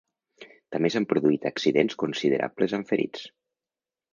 També s'han produït accidents considerables amb ferits.